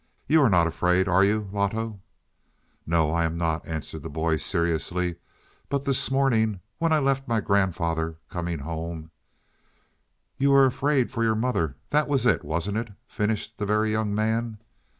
"You are not afraid, are you, Loto?" "Now I am not," answered the boy seriously. "But this morning, when I left my grandfather, coming home " "You were afraid for your mother. That was it, wasn't it?" finished the Very Young Man.